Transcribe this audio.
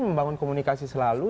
membangun komunikasi selalu